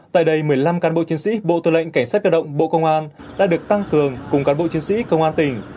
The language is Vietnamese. tại đây một mươi năm cán bộ chiến sĩ bộ tư lệnh cảnh sát cơ động bộ công an đã được tăng cường cùng cán bộ chiến sĩ công an tỉnh